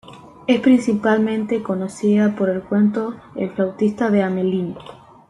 Es principalmente conocida por el cuento "El flautista de Hamelín".